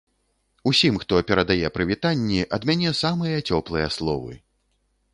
Усім, хто перадае прывітанні, ад мяне самыя цёплыя словы.